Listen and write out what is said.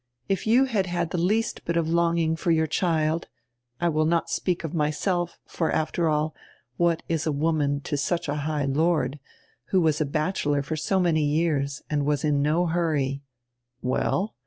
If you had had the least bit of longing for your child — I will not speak of myself, for, after all, what is a woman to such a high lord, who was a bachelor for so many years and was in no hurry —" "Well?"